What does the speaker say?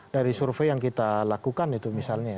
dari survei yang kita lakukan itu misalnya